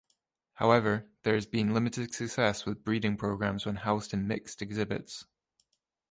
However, there has been limited success with breeding programs when housed in mixed exhibits.